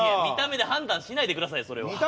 見た目で判断しないでくださいよ